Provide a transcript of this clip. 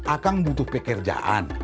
akang butuh pekerjaan